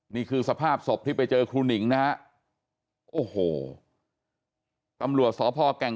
นี่คือสภาพศพที่ไปเจอครูหนิงนะฮะโอ้โหตำรวจสพแก่ง